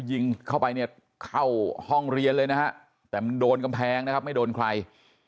ยิงเข้าไปเนี่ยเข้าห้องเรียนเลยนะฮะแต่มันโดนกำแพงนะครับไม่โดนใคร